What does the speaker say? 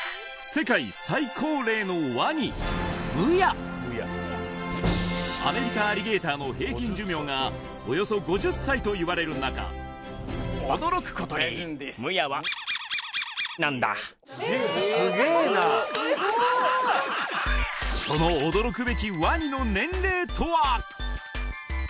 世界最高齢のワニムヤアメリカアリゲーターの平均寿命がおよそ５０歳といわれる中すげえなすごいその驚くべきワニの年齢とは！